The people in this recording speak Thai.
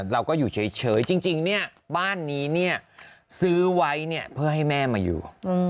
เราก็อยู่เฉยจริงเนี่ยบ้านนี้ซื้อไว้เนี่ยเพื่อให้แม่มาอยู่